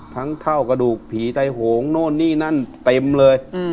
เท่ากระดูกผีไทยโหงโน่นนี่นั่นเต็มเลย